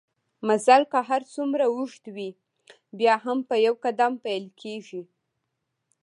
مزل که هرڅومره اوږده وي بیا هم په يو قدم پېل کېږي